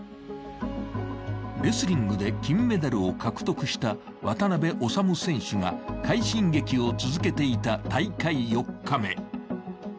レスリングで金メダルを獲得した渡辺長武選手が快進撃を続けていた大会４日目。